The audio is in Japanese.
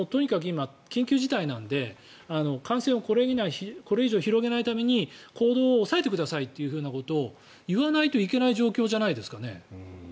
今、緊急事態なので感染をこれ以上広げないために行動を抑えてくださいということを言わないといけない状況じゃないですかね。